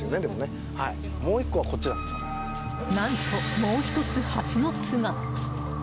何と、もう１つハチの巣が。